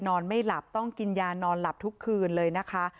นอนไม่หลับต้องกินยานอนหลับทุกคืนเลยนะคะ